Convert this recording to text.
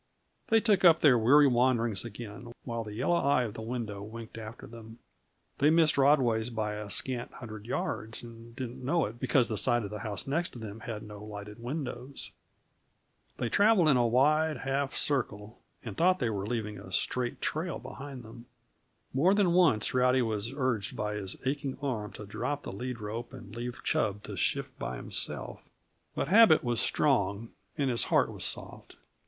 They took up their weary wanderings again, while the yellow eye of the window winked after them. They missed Rodway's by a scant hundred yards, and didn't know it, because the side of the house next them had no lighted windows. They traveled in a wide, half circle, and thought that they were leaving a straight trail behind them. More than once Rowdy was urged by his aching arm to drop the lead rope and leave Chub to shift by himself, but habit was strong and his heart was soft.